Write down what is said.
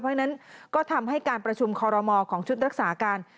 เพราะฉะนั้นก็ทำให้การประชุมคอรมอของชุดรักษาการ